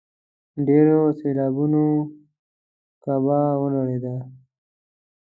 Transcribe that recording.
ډېرو سېلابونو کعبه ونړېده.